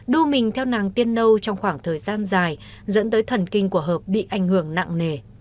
đu mình theo nàng tiên nâu trong khoảng thời gian dài dẫn tới thần kinh của hợp bị ảnh hưởng nặng nề